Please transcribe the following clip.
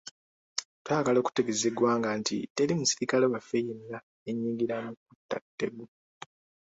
Twagala okutegeeza eggwanga nti teri musirikale waffe yenna yenyigira mu kutta Tegu.